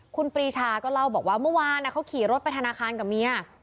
คุณปรีชาก็เล่าบอกว่าเมื่อวานเขาขี่รถไปธนาคารกับเมีย